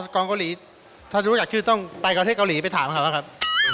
กองเกาหลีถ้ารู้จักชื่อต้องไปประเทศเกาหลีไปถามเขาครับ